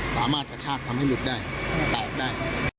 กระชากทำให้หลุดได้แตกได้